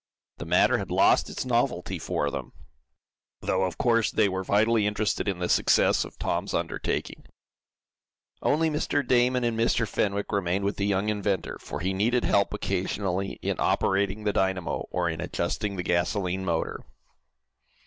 The matter had lost its novelty for them, though, of course, they were vitally interested in the success of Tom's undertaking. Only Mr. Damon and Mr. Fenwick remained with the young inventor, for he needed help, occasionally, in operating the dynamo, or in adjusting the gasolene motor.